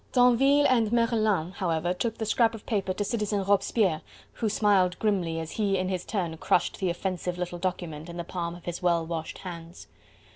Tinville and Merlin, however, took the scrap of paper to Citizen Robespierre, who smiled grimly as he in his turn crushed the offensive little document in the palm of his well washed hands.